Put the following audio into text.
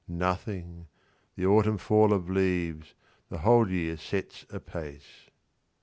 …Nothing: the autumn fall of leaves. The whole year sets apace.)